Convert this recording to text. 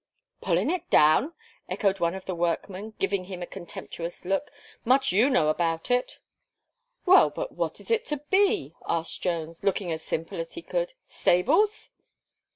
"Pulling it down!" echoed one of the workmen, giving him a contemptuous look, "much you know about it." "Well, but what is it to be?" asked Jones, looking as simple as he could, "stables?"